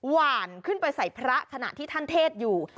หวานขึ้นไปใส่พระขณะที่ท่านเทศอยู่